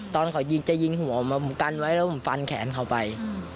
ตอนเขายิงจะยิงหัวมาผมกันไว้แล้วผมฟันแขนเขาไป